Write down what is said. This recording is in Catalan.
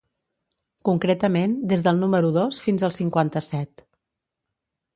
Concretament des del número dos fins al cinquanta-set.